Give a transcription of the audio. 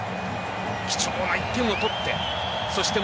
貴重な１点を取ってそして